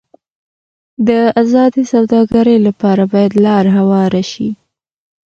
د ازادې سوداګرۍ لپاره باید لار هواره شي.